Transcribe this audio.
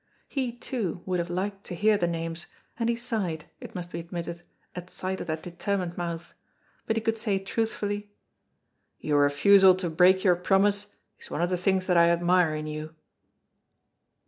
He, too, would have liked to hear the names, and he sighed, it must be admitted, at sight of that determined mouth, but he could say truthfully, "Your refusal to break your promise is one of the things that I admire in you."